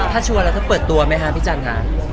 ถ้าชัวร์แล้วถ้าเปิดตัวไหมคะพี่จันทร์ค่ะ